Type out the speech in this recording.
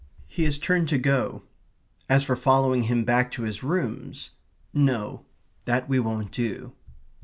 He has turned to go. As for following him back to his rooms, no that we won't do.